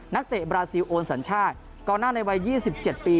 เตะบราซิลโอนสัญชาติกองหน้าในวัย๒๗ปี